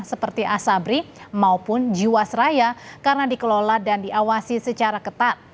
seperti asabri maupun jiwasraya karena dikelola dan diawasi secara ketat